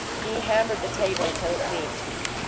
He hammered the table till it leaped.